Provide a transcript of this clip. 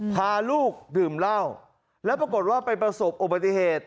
พาลูกดื่มเหล้าแล้วปรากฏว่าไปประสบอุบัติเหตุ